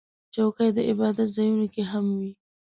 چوکۍ د عبادت ځایونو کې هم وي.